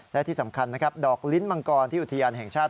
และที่สำคัญนะครับดอกลิ้นมังกรที่อุทยานแห่งชาติ